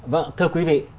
vâng thưa quý vị